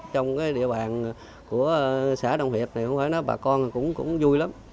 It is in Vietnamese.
trong cái địa bàn của xã đông hiệp thì không phải nói bà con cũng vui lắm